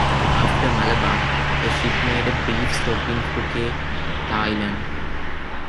After Malabar, the ship made a brief stop in Phuket, Thailand.